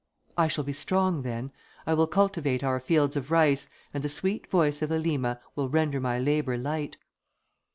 I shall be strong then; I will cultivate our fields of rice, and the sweet voice of Elima will render my labour light."